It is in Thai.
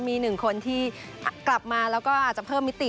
มีหนึ่งคนที่กลับมาแล้วก็อาจจะเพิ่มมิติ